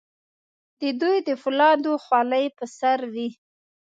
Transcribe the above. د دوی د فولادو خولۍ په سر وې.